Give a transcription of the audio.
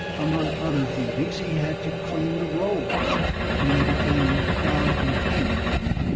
Among other duties he had to clean the rollers when they became clogged with ink.